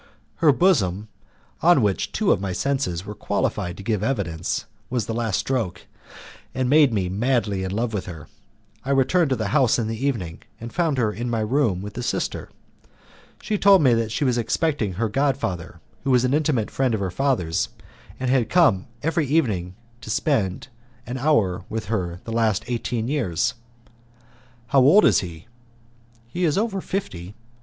Her bosom, on which two of my senses were qualified to give evidence, was the last stroke, and made me madly in love with her. I returned to the house in the evening, and found her in her room with the sister. She told me that she was expecting her god father, who was an intimate friend of her father's, and had come every evening to spend an hour with her for the last eighteen years. "How old is he?" "He is over fifty."